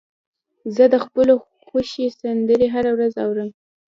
زه د خپلو خوښې سندرې هره ورځ اورم.